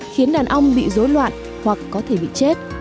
khiến đàn ong bị dối loạn hoặc có thể bị chết